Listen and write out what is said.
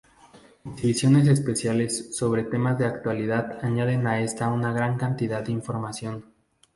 Exhibiciones especiales sobre temas de actualidad añaden a esta una gran cantidad de información.